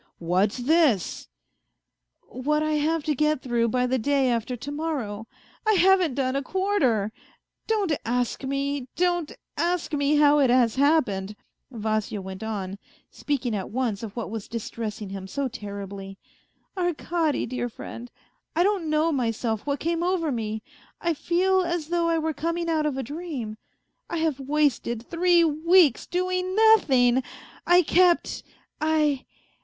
" What's this ?"" What I have to get through by the day after to morrow. I haven't done a quarter ! Don't ask me, don't ask me how it has happened," Vasya went on, speaking at once of what was 184 A FAINT HEART distressing him BO terribly. " Arkady, dear friend, I don't know myself what came over me. I feel as though I were coming out of a dream. I have wasted three weeks doing nothing. I kept ... I